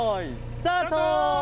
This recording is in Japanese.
スタート！